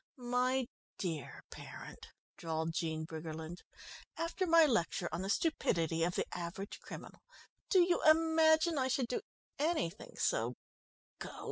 "My dear parent," drawled Jean Briggerland, "after my lecture on the stupidity of the average criminal, do you imagine I should do anything so gauche?"